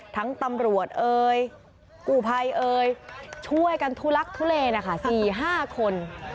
ตำรวจเอ่ยกูภัยเอ่ยช่วยกันทุลักทุเลนะคะ๔๕คน